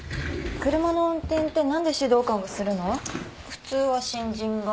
普通は新人が。